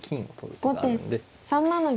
後手３七銀。